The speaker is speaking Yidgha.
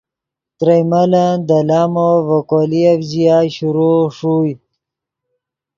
ترئے ملن دے لامو ڤے کولییف ژیا شروع ݰوئے۔